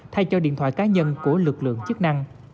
thay cho điện thoại cá nhân của lực lượng chức năng